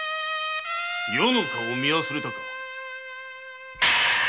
余の顔を見忘れたか。